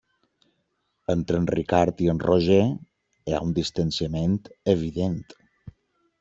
Entre en Ricard i en Roger hi ha un distanciament evident.